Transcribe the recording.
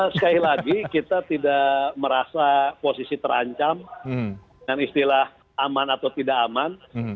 sekali lagi kita tidak merasa posisi terancam dengan istilah aman atau tidak aman